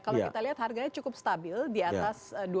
kalau kita lihat harganya cukup stabil di atas dua belas ribu